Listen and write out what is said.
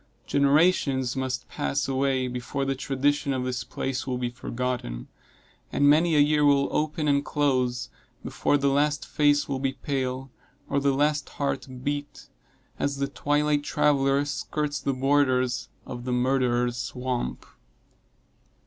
Generations must pass away before the tradition of this place will be forgotten; and many a year will open and close, before the last face will be pale, or the last heart beat, as the twilight traveler skirts the borders of the Murderer's Swamp.